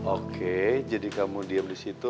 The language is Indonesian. oke jadi kamu diem di situ